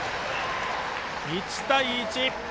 １対１。